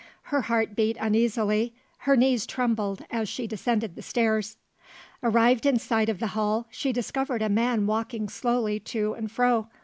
Her heart beat uneasily; her knees trembled, as she descended the stairs. Arrived in sight of the hall, she discovered a man walking slowly to and fro.